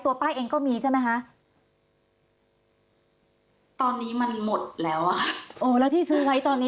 ป้าเองก็มีใช่ไหมคะตอนนี้มันหมดแล้วอ่ะโอ้แล้วที่ซื้อไว้ตอนนี้